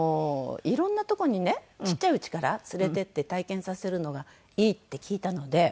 いろんなとこにねちっちゃいうちから連れていって体験させるのがいいって聞いたので。